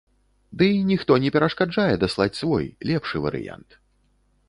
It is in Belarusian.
Дый ніхто не перашкаджае даслаць свой, лепшы варыянт.